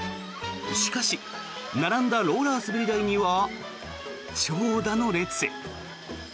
しかし並んだローラー滑り台には長蛇の列。